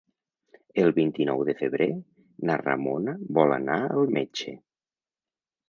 El vint-i-nou de febrer na Ramona vol anar al metge.